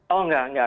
oh enggak enggak